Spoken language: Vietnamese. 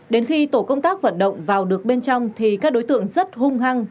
đến khi tổ công tác vận động vào được bên trong thì các đối tượng rất hung hăng